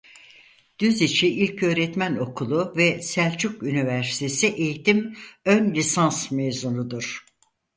Düziçi İlköğretmen Okulu ve Selçuk Üniversitesi Eğitim Ön Lisans mezunudur.